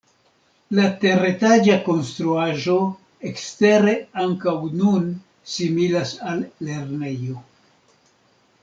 La teretaĝa konstruaĵo ekstere ankaŭ nun similas al lernejo.